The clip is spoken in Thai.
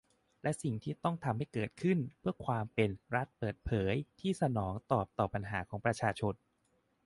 และสิ่งที่ต้องทำให้เกิดขึ้น เพื่อความเป็น รัฐเปิดเผย ที่สนองตอบต่อปัญหาของประชาชน